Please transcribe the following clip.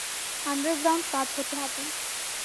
Underground কাজ হতে হবে।